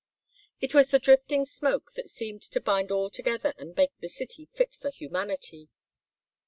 It was the drifting smoke that seemed to bind all together and make the city fit for humanity.